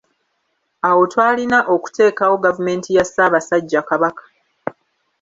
Awo twalina okuteekawo gavumenti eya Ssaabasajja Kabaka.